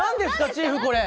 チーフこれ。